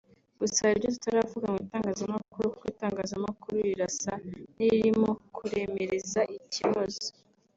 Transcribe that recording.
gusa hari ibyo tutaravuga mu itangazamukuru kuko itangazamakuru rirasa n’iririmo kuremereza ikibazo